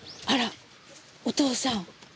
あらお父さん。